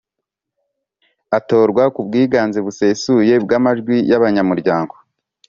Atorwa ku bwiganze busesuye bw’amajwi y’abanyamuryango